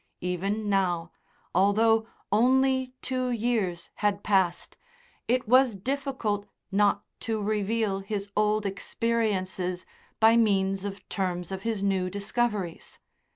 Even now, although only two years had passed, it was difficult not to reveal his old experiences by means of terms of his new discoveries.